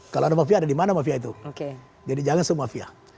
kalau ada mafia ada di mana mafia itu jadi jangan semua mafia